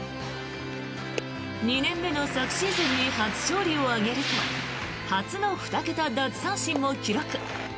２年目の昨シーズンに初勝利を挙げると初の２桁奪三振も記録。